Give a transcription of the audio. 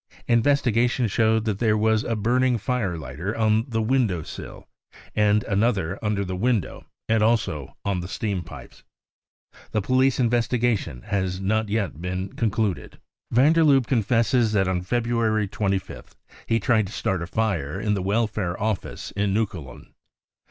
Investigation showed that there was a burning fire lighter on the window sill, and another under the window and also on the steam pipes. The police investi gation has not yet been concluded. 55 Van der Lubbe confesses that on February 25th he tried to start a fire in the Welfare Office in Neukolln.